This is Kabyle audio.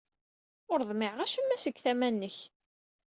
Ur ḍmiɛeɣ acemma seg tama-nnek.